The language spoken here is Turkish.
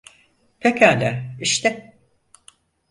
Pekala, işte.